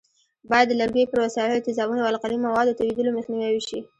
باید د لرګیو پر وسایلو د تیزابونو او القلي موادو توېدلو مخنیوی وشي.